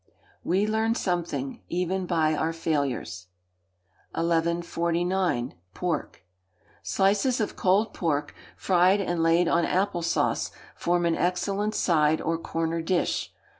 [WE LEARN SOMETHING, EVEN BY OUR FAILURES.] 1149. Pork. Slices of cold pork, fried and laid on apple sauce, form an excellent side or corner dish.